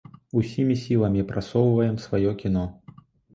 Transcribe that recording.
Усімі сіламі прасоўваем сваё кіно.